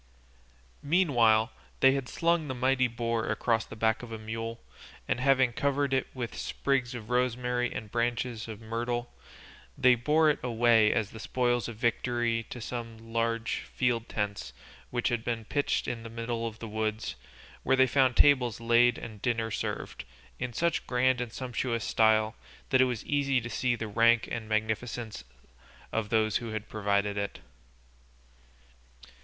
Meanwhile they had slung the mighty boar across the back of a mule, and having covered it with sprigs of rosemary and branches of myrtle, they bore it away as the spoils of victory to some large field tents which had been pitched in the middle of the wood, where they found the tables laid and dinner served, in such grand and sumptuous style that it was easy to see the rank and magnificence of those who had provided it.